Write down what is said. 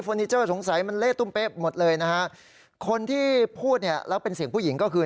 นิเจอร์สงสัยมันเละตุ้มเป๊ะหมดเลยนะฮะคนที่พูดเนี่ยแล้วเป็นเสียงผู้หญิงก็คือ